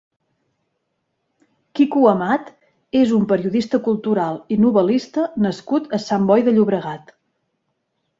Kiko Amat és un periodista cultural i novel·lista nascut a Sant Boi de Llobregat.